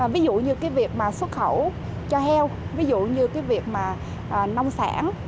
ví dụ như việc xuất khẩu cho heo ví dụ như việc nông sản